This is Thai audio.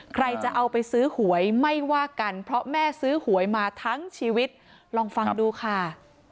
ใครจะเอาไปซื้อหวยไม่ว่ากันเพราะแม่ซื้อหวยมาทั้งชีวิตลองฟังดูค่ะ